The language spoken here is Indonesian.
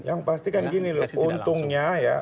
yang pasti kan gini loh untungnya ya